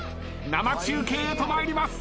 生中継へと参ります。